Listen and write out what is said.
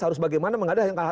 harus bagaimana mengadili